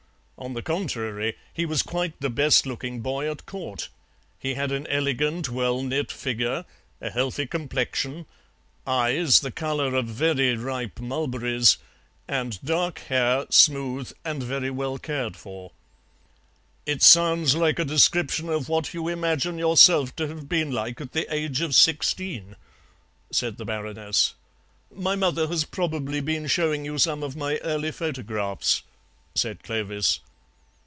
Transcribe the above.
On the contrary, he was quite the best looking boy at Court; he had an elegant, well knit figure, a healthy complexion, eyes the colour of very ripe mulberries, and dark hair, smooth and very well cared for." "It sounds like a description of what you imagine yourself to have been like at the age of sixteen," said the Baroness. "My mother has probably been showing you some of my early photographs," said Clovis.